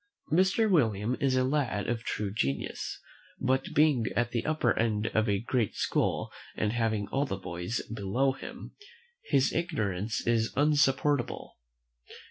Mr. William is a lad of true genius; but, being at the upper end of a great school, and having all the boys below him, his arrogance is insupportable.